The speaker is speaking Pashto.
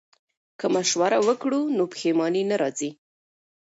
که مشوره وکړو نو پښیماني نه راځي.